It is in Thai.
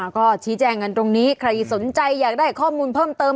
ก็ชี้แจงกันตรงนี้ใครสนใจอยากได้ข้อมูลเพิ่มเติม